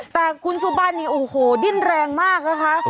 แต่คุณซู่บันนี่โอ้โหดินแรงมากเลยครับ